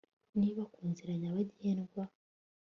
niba ku nzira nyabagendwa